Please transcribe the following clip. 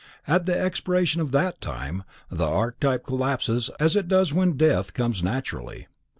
At the expiration of that time, the archetype collapses as it does when death comes naturally.